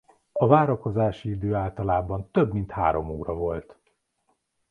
A várakozási idő általában több mint három óra volt.